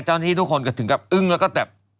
เจ้าหน้าที่ทุกคนก็ถึงแบบอึ้งแล้วก็แบบ